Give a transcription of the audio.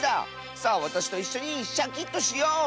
さあわたしといっしょにシャキッとしよう！